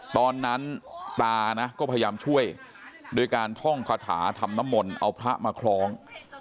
ตอนนั้นตานะก็พยายามช่วยโดยการท่องคาถาทำน้ำมนต์เอาพระมาคล้อง